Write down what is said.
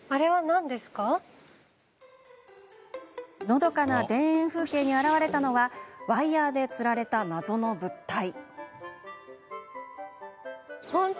のどかな田園風景に現れたのはワイヤーでつられた謎の物体。